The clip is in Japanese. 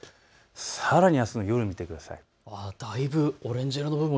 さらにあすの夜を見てください。